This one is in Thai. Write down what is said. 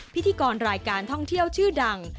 พิธีกรรายการท่องเที่ยวชื่อดัง